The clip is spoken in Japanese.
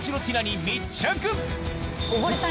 溺れたい？